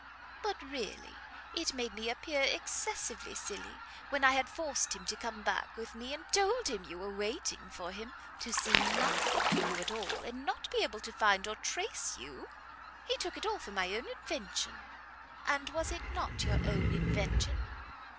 But really it made me appear excessively silly, when I had forced him to come back with me, and told him you were waiting for him, to see nothing of you at all, and not be able to find or trace you. He took it all for my own invention." "And was it not your own invention?"